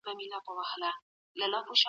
ایا کورني سوداګر وچه الوچه ساتي؟